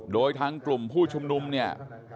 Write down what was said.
โดยทางกลุ่มผู้ชุมนุมเนี่ย